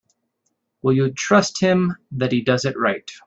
Will you trust him that he does it right?